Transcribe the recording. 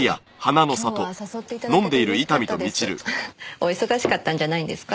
お忙しかったんじゃないんですか？